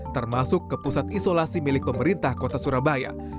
termasuk ke pusat isolasi milik pemerintah kota surabaya